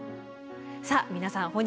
さあ皆さん